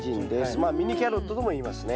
まあミニキャロットともいいますね。